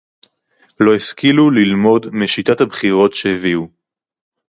לא השכילו ללמוד משיטת הבחירות שהביאו